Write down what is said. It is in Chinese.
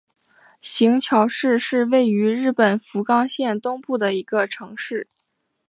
行桥市是位于日本福冈县东部的一个城市。